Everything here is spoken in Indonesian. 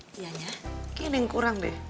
kayaknya ada yang kurang deh